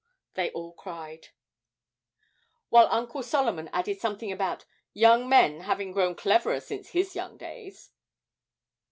they all cried, while Uncle Solomon added something about 'young men having grown cleverer since his young days.'